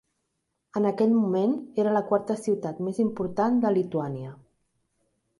En aquell moment, era la quarta ciutat més important de Lituània.